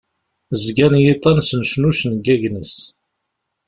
Zgan yiḍan-a snecnucen deg agnes.